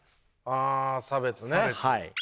あ差別ね。